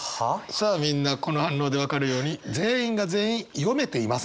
さあみんなこの反応で分かるように全員が全員読めていません。